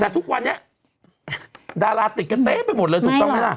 แต่ทุกวันนี้ดาราติดกันเต๊ะไปหมดเลยถูกต้องไหมล่ะ